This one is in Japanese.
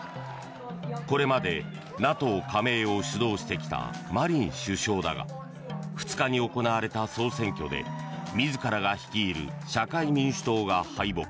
これまで、ＮＡＴＯ加盟を主導してきたマリン首相だが２日に行われた総選挙で自らが率いる社会民主党が敗北。